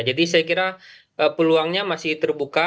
jadi saya kira peluangnya masih terbuka